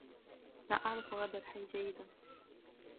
لا أعرف هذا الحي جيدا.